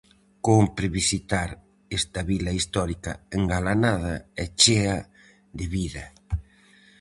Cómpre visitar esta vila histórica engalanada e chea de vida.